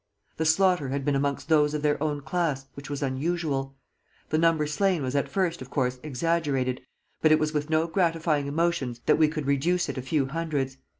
The slaughter had been amongst those of their own class, which was unusual. The number slain was at first, of course, exaggerated, but it was with no gratifying emotions that we could reduce it a few hundreds.